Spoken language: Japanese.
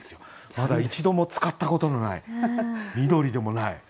まだ一度も使ったことのない緑でもないさ緑。